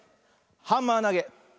ハンマーなげ。